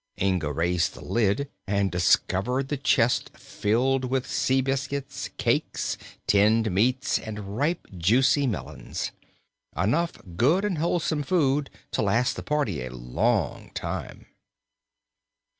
Inga raised the lid and discovered the chest filled with sea biscuits, cakes, tinned meats and ripe, juicy melons; enough good and wholesome food to last the party a long time.